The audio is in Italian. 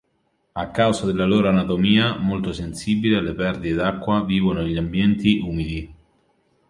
A causa della loro anatomia molto sensibile alle perdite d'acqua vivono negli ambienti umidi.